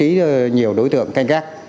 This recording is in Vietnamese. nhiều bố trí nhiều đối tượng canh gác